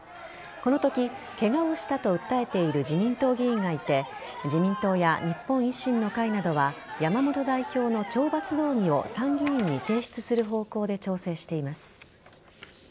このときケガをしたと訴えている自民党議員がいて自民党や日本維新の会などは山本代表の懲罰動議を参議院に提出する方向で調整しています。